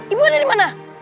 ibu ada di mana